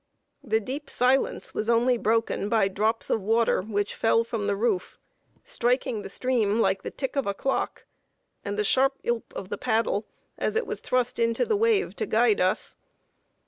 The deep silence was only broken by drops of water, which fell from the roof, striking the stream like the tick of a clock, and the sharp ylp of the paddle, as it was thrust into the wave to guide us.